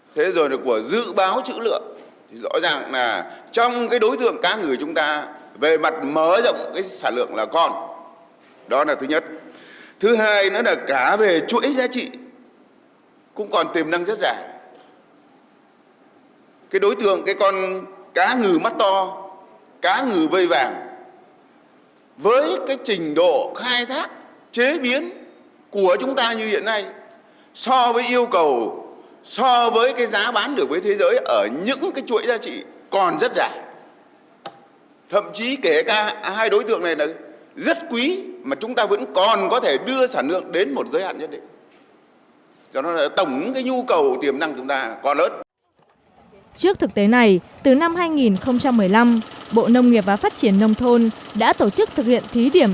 trước thực tế này từ năm hai nghìn một mươi năm bộ nông nghiệp và phát triển nông thôn đã tổ chức thực hiện thí điểm